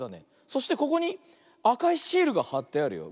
そしてここにあかいシールがはってあるよ。